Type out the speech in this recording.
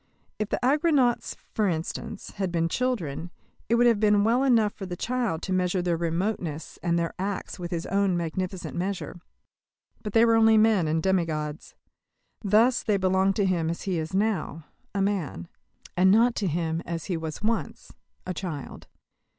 If the Argonauts, for instance, had been children, it would have been well enough for the child to measure their remoteness and their acts with his own magnificent measure. But they were only men and demi gods. Thus they belong to him as he is now a man; and not to him as he was once a child.